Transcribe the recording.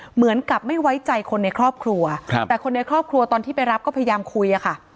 เหมือนกับไม่ไว้ใจคนในครอบครัวแต่คนในครอบครัวตอนที่ไปรับก็พยายามคุยอะค่ะ